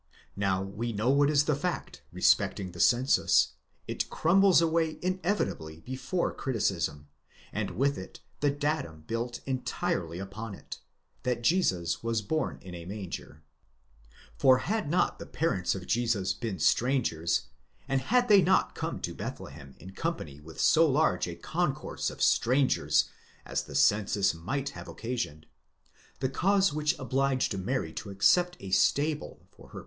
Now we know what is the fact respect ing the census ; it crumbles away inevitably before criticism, and with it the datum built entirely upon it, that Jesus was born ina manger. For had not the parents of Jesus been strangers, and had they not come to Bethlehem in company with so large a concourse of strangers as the census might have occasioned, the cause which obliged Mary to accept a stable for her place of 12 Hebraische Mythologie, 2.